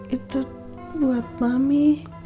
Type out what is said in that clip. itu buat mami